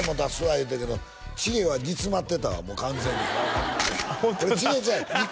言うてんけどチゲは煮詰まってたわもう完全にホントだ「これチゲちゃう」